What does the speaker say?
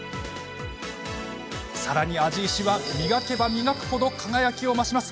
さらに庵治石は磨けば磨くほど輝きを増します。